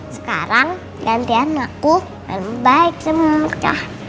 sekarang ganti anakku dan baik semua